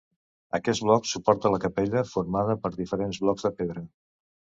Aquest bloc suporta la capella, formada per diferents blocs de pedra.